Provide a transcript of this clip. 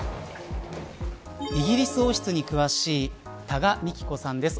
イギリス王室に詳しい多賀幹子さんです。